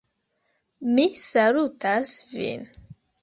Mi salutas vin.